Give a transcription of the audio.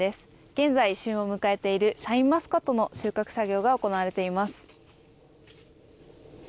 現在、旬を迎えているシャインマスカットの収穫作業が行われています。